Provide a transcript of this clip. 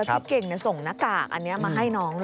พี่เก่งส่งหน้ากากอันนี้มาให้น้องด้วย